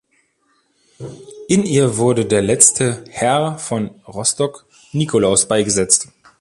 In ihr wurde der letzte "Herr von Rostock", Nikolaus, beigesetzt.